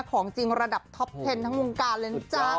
ของจริงระดับท็อปเทนทั้งวงการเลยนะจ๊ะ